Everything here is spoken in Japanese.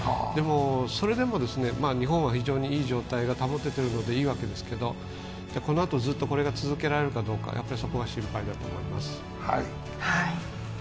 それでも日本は非常にいい状態が保てているのでいいわけですけど、このあとずっとこれが続けられるかどうかやっぱりそこが心配だと思います。